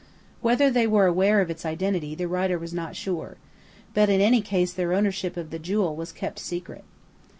Whether they were aware of its identity, the writer was not sure; but in any case their ownership of the jewel was kept secret.